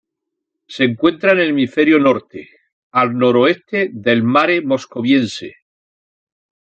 Se encuentra en el hemisferio norte, al noroeste del Mare Moscoviense.